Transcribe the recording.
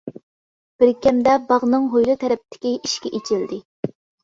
بىر كەمدە باغنىڭ ھويلا تەرەپتىكى ئىشكى ئېچىلدى.